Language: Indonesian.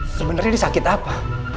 sebenernya disakit apa